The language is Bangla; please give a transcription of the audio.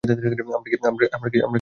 আমরা কি যেতে পারি, জান?